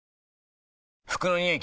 服のニオイ